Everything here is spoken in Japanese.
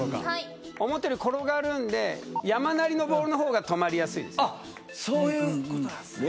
思っているより転がるので山なりのボールの方が止まりやすいです。